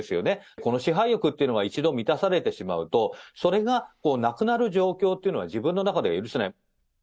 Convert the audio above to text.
この支配欲っていうのは、一度満たされてしまうと、それがなくなる状況というのは自分の中で許せない。